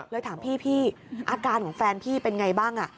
ถามพี่อาการของแฟนพี่เป็นไงบ้าง